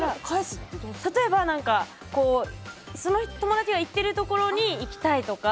例えば友達が行ってるところに行きたいとか。